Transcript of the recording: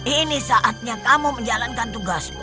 ini saatnya kamu menjalankan tugasmu